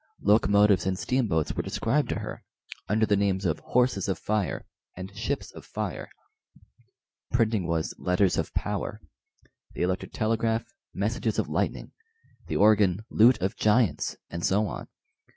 Locomotives and steamboats were described to her under the names of "horses of fire" and "ships of fire"; printing was "letters of power"; the electric telegraph, "messages of lightning"; the organ, "lute of giants," and so on.